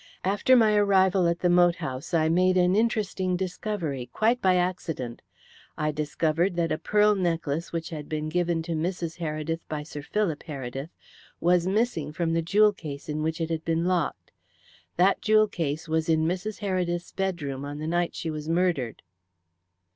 After my arrival at the moat house I made an interesting discovery quite by accident. I discovered that a pearl necklace which had been given to Mrs. Heredith by Sir Philip Heredith was missing from the jewel case in which it had been locked. That jewel case was in Mrs. Heredith's bedroom on the night she was murdered."